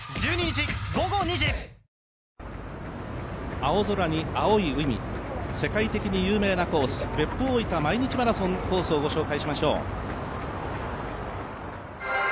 青空に青い海、世界的に有名なコース、別府大分毎日マラソンコースをご紹介しましょう。